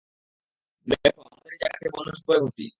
দেখ, আমাদের এই জায়গাতে বন্য শূকরে ভর্তি।